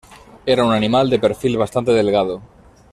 Era un animal de perfil bastante delgado.